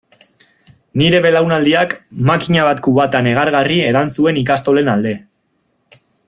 Nire belaunaldiak makina bat kubata negargarri edan zuen ikastolen alde.